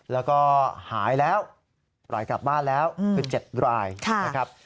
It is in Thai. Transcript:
แล้วก็หายแล้วปล่อยกลับบ้านแล้วคือ๗รายนะครับ